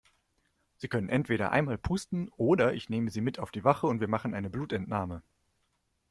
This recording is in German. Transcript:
Sie können entweder einmal pusten oder ich nehme Sie mit auf die Wache und wir machen eine Blutentnahme.